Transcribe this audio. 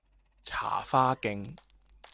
茶花徑